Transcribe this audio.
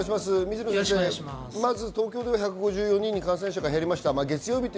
まず東京では１５４人に感染者が減りました。